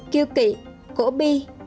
kiêu kỵ cổ bi